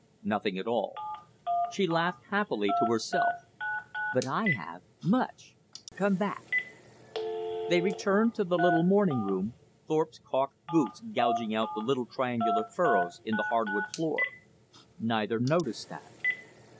"Nothing at all." She laughed happily to herself. "But I have much. Come back." They returned to the little morning room, Thorpe's caulked boots gouging out the little triangular furrows in the hardwood floor. Neither noticed that.